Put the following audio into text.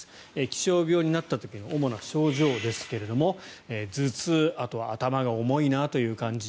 気象病になった時の主な症状ですが頭痛、あとは頭が重いなという感じ。